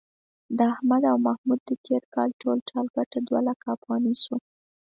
د احمد او محمود د تېر کال ټول ټال گټه دوه لکه افغانۍ شوه.